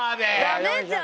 ダメじゃん。